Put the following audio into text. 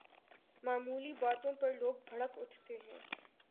معمولی باتوں پر لوگ بھڑک اٹھتے ہیں۔